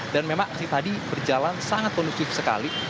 dan memang aksi tadi berjalan sangat positif sekali